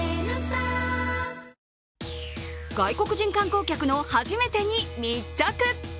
外国人観光客の初めてに密着。